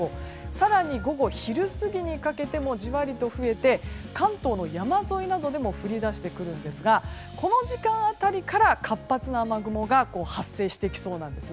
更に午後、昼過ぎにかけてもじわりと増えて関東の山沿いなどでも降り出してくるんですがこの時間辺りから活発な雨雲が発生してきそうなんです。